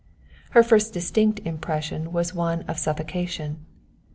Her first distinct impression was one of suffocation.